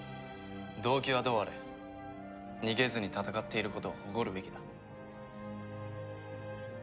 動機はどうあれ逃げずに戦っていることを誇るべきだ。